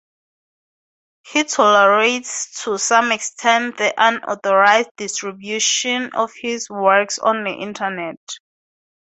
He tolerates to some extent the unauthorised distribution of his works on the internet.